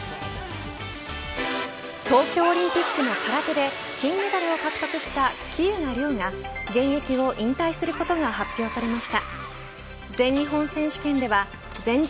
東京オリンピックの空手で金メダルを獲得した喜友名諒が現役を引退することが発表されました。